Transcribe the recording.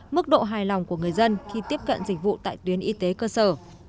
mức độ hài lòng của người dân khi tiếp cận dịch vụ tại tuyến y tế cơ sở